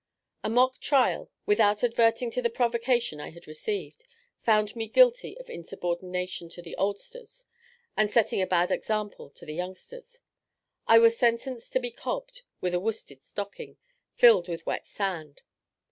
A mock trial (without adverting to the provocation I had received) found me guilty of insubordination "to the oldsters," and setting a bad example to the youngsters. I was sentenced to be cobbed with a worsted stocking, filled with wet sand.